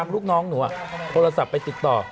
ลูกน้องหนูโทรศัพท์ไปติดต่อ